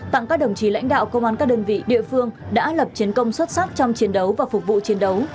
tặng các đồng chí lãnh đạo công an các đơn vị địa phương đã lập chiến công xuất sắc trong chiến đấu và phục vụ chiến đấu